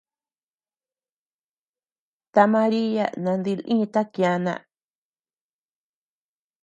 Ta Maria nandilïta kiana.